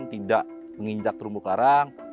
tidak menginjak terumbu karang